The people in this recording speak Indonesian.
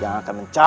dan menangkan mereka